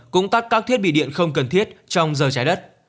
cũng tắt các thiết bị điện không cần thiết trong giờ trái đất